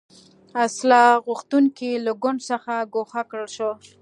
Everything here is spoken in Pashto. اصلاح غوښتونکي له ګوند څخه ګوښه کړل شو.